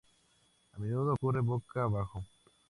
A menudo ocurre boca abajo.